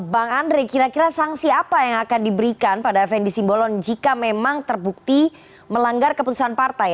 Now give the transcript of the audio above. bang andre kira kira sanksi apa yang akan diberikan pada fnd simbolon jika memang terbukti melanggar keputusan partai